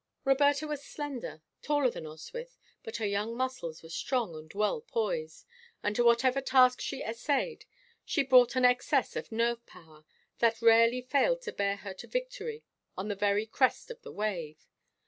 Roberta was slender, taller that Oswyth, but her young muscles were strong and well poised, and to whatever task she essayed she brought an excess of nerve power that rarely failed to bear her to victory on the very crest of the wave.